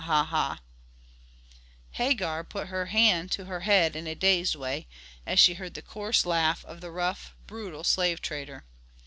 Hagar put her hand to her head in a dazed way as she heard the coarse laugh of the rough, brutal slave trader.